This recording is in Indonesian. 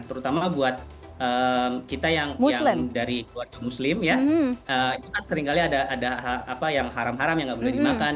terutama buat kita yang dari keluarga muslim ya itu kan seringkali ada yang haram haram yang nggak boleh dimakan